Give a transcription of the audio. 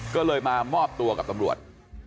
ก็เลยมามอบตัวกับตำรวจ